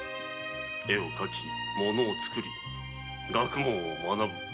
絵を描きものを創り学問を学ぶ。